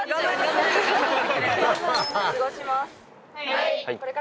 はい。